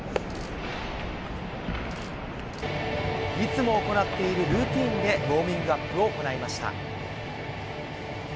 いつも行っているルーティンで、ウォーミングアップを行いました。